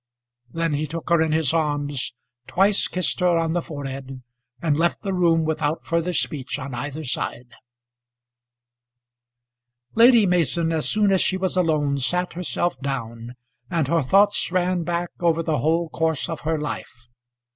Then he took her in his arms, twice kissed her on the forehead, and left the room without further speech on either side. [Illustration: Farewell!] Lady Mason, as soon as she was alone, sat herself down, and her thoughts ran back over the whole course of her life.